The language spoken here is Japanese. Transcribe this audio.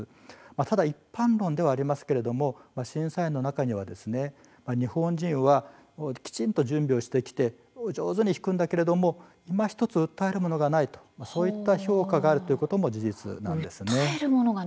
ただ一般論ではありますけれども審査員の中には日本人はきちんと準備をしてきて上手に弾くんだけれどもいまひとつ訴えるものがないそういった評価があるということも事実なんです。